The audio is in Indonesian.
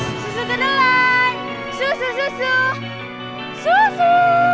susu kedelai susu susu susu